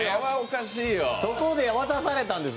そこで渡されたんです。